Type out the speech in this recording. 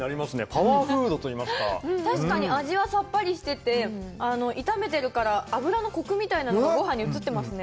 パワーフードといいますか確かに味はさっぱりしてて炒めてるから油のコクみたいなのがごはんに移ってますね